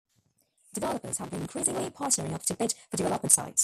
Developers have been increasingly partnering up to bid for development sites.